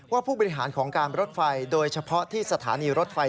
ผู้บริหารของการรถไฟโดยเฉพาะที่สถานีรถไฟ